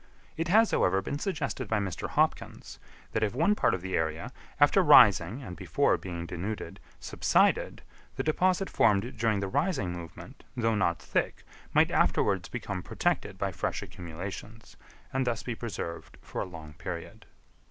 It has, however, been suggested by Mr. Hopkins, that if one part of the area, after rising and before being denuded, subsided, the deposit formed during the rising movement, though not thick, might afterwards become protected by fresh accumulations, and thus be preserved for a long period.